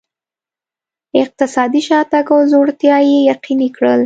اقتصادي شاتګ او ځوړتیا یې یقیني کړل.